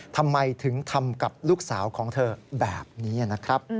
ทำไมถึงทำกับลูกสาวของเธอแบบนี้นะครับ